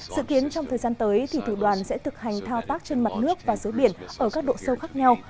dự kiến trong thời gian tới thì thủ đoàn sẽ thực hành thao tác trên mặt nước và dưới biển ở các độ sâu khác nhau